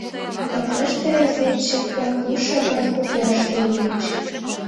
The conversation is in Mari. КП-ыште разведчик-влак лу шагат гутлаште лийыч.